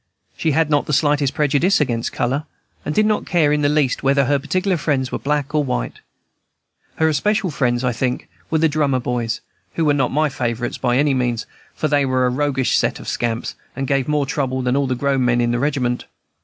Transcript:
She had not the slightest prejudice against color, and did not care in the least whether her particular friends were black or white. Her especial favorites, I think, were the drummer boys, who were not my favorites by any means, for they were a roguish set of scamps, and gave more trouble than all the grown men in the regiment.